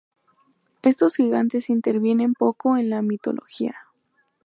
Estos Gigantes intervienen poco en la mitología.